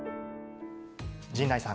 陣内さん。